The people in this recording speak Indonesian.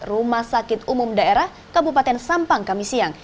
rumah sakit umum daerah kabupaten sampang kamisiyang